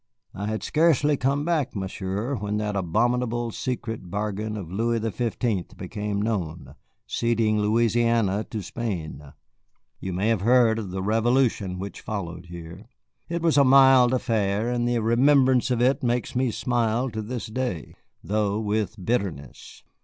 I had scarcely come back, Monsieur, when that abominable secret bargain of Louis the Fifteenth became known, ceding Louisiana to Spain. You may have heard of the revolution which followed here. It was a mild affair, and the remembrance of it makes me smile to this day, though with bitterness.